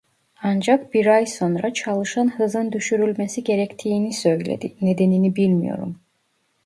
Ancak bir ay sonra çalışan hızın düşürülmesi gerektiğini söyledi, nedenini bilmiyorum.